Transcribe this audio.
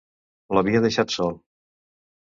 L'havia deixat sol.